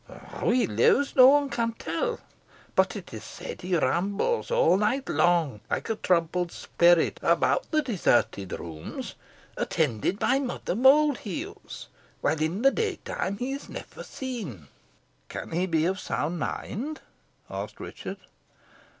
How he lives no one can tell, but it is said he rambles all night long, like a troubled spirit, about the deserted rooms, attended by Mother Mould heels; while in the daytime he is never seen." "Can he be of sound mind?" asked Richard.